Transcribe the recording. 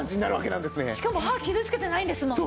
しかも歯傷つけてないんですもんね。